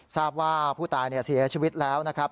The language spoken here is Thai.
ทราบว่าผู้ตายเสียชีวิตแล้วนะครับ